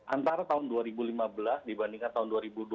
antara tahun dua ribu lima belas dibandingkan tahun dua ribu dua puluh